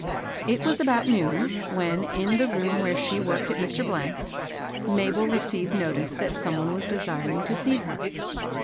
It was about noon, when, in the room where she worked at Mr. — 's, Mabel received notice that some one was desiring to see her.